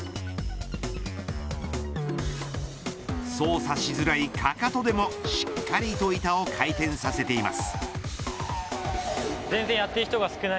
操作しづらいかかとでもしっかりと板を回転させています。